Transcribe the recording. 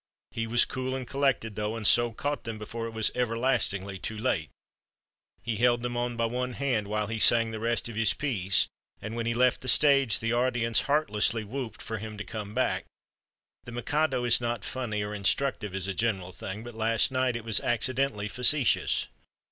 He was cool and collected, though, and so caught them before it was everlastingly too late. He held them on by one hand while he sang the rest of his piece, and when he left the stage the audience heartlessly whooped for him to come back. "'The Mikado' is not funny or instructive as a general thing, but last night it was accidently facetious.